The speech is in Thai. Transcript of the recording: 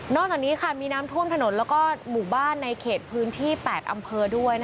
จากนี้มีน้ำท่วมถนนแล้วก็หมู่บ้านในเขตพื้นที่๘อำเภอด้วย